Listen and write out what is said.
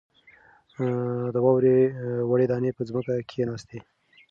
د واورې وړې دانې په ځمکه کښېناستې.